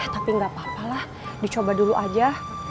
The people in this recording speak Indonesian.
tapi gapapalah dicoba dulu aja